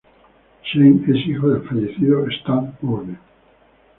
Shane es hijo del fallecido Stan Bourne.